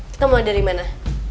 kita mulai dari mana